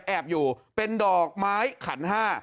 แอบอยู่เป็นดอกไม้ขัน๕